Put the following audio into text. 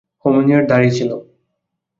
হেমিংওয়ের দাড়ি ছিল।